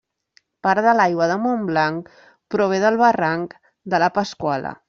Part de l'aigua de Montblanc prové del barranc de la Pasquala.